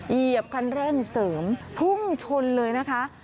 เหยียบคันเร่งเสริมพุ่งชนเลยนะคะ